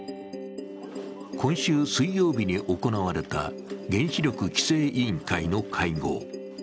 今週水曜日に行われた原子力規制委員会の会合。